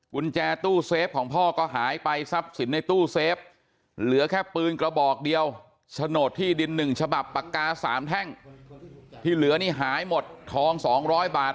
กุญแจตู้เซฟของพ่อก็หายไปทรัพย์สินในตู้เซฟเหลือแค่ปืนกระบอกเดียวโฉนดที่ดิน๑ฉบับปากกา๓แท่งที่เหลือนี่หายหมดทอง๒๐๐บาท